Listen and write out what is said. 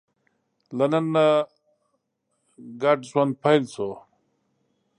له نن نه ګډ ژوند پیل شو.